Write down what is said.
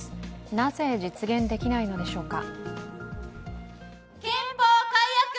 なぜ、実現できないのでしょうか